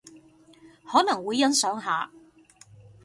可能會欣賞下